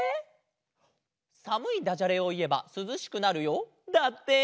「さむいダジャレをいえばすずしくなるよ」だって！